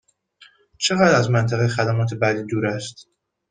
چقدر از منطقه خدمات بعدی دور است؟